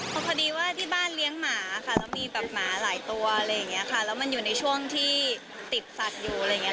พอดีว่าที่บ้านเลี้ยงหมาค่ะแล้วมีแบบหมาหลายตัวอะไรอย่างเงี้ยค่ะแล้วมันอยู่ในช่วงที่ติดสัตว์อยู่อะไรอย่างเงี้